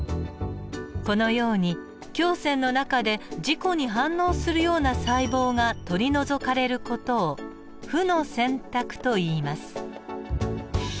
このように胸腺の中で自己に反応するような細胞が取り除かれる事を負の選択といいます。